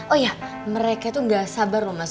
oh iya mereka tuh gak sabar loh mas